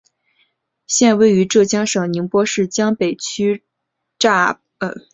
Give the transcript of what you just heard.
现位于浙江省宁波市江北区乍浦乡应家河塘有应修人故居。